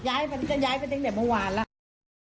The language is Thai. มันก็ย้ายไปตั้งแต่เมื่อวานแล้ว